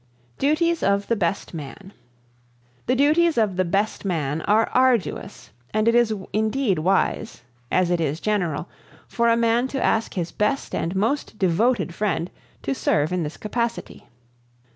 Duties of the "Best Man." The duties of the "best man" are arduous, and it is indeed wise, as it is general, for a man to ask his best and most devoted friend to serve in this capacity.